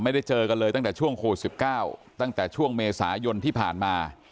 เจอกันเลยตั้งแต่ช่วงโควิด๑๙ตั้งแต่ช่วงเมษายนที่ผ่านมา